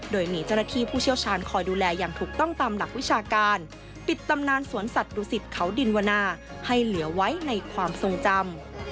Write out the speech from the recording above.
โดยมีเจ้าหน้าที่ผู้เชี่ยวชาญคอยดูแลอย่างถูกต้องตามหลักวิชาการปิดตำนานสวนสัตว์ดุสิตเขาดินวนาให้เหลือไว้ในความทรงจำ